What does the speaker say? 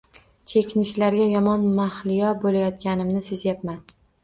Chekinishlarga yomon mahliyo bo’layotganimni sezayapman